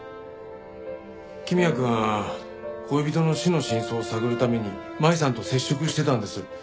公也くん恋人の死の真相を探るために舞さんと接触してたんです。